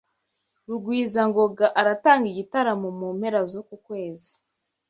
Rugwizangoga aratanga igitaramo mu mpera zuku kwezi.